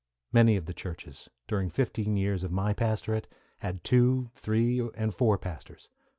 Many of the churches, during fifteen years of my pastorate, had two, three, and four pastors.